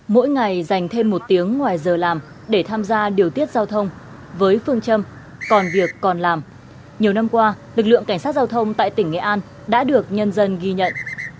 mỗi ngày dành thêm một tiếng ngoài giờ làm để tham gia điều tiết giao thông với phương châm còn việc còn làm nhiều năm qua lực lượng cảnh sát giao thông tại tỉnh nghệ an đã được nhân dân ghi nhận